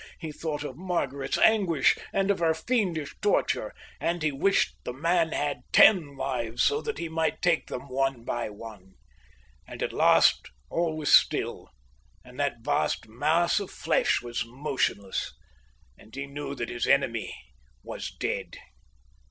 He thought of Margaret's anguish and of her fiendish torture, and he wished the man had ten lives so that he might take them one by one. And at last all was still, and that vast mass of flesh was motionless, and he knew that his enemy was dead.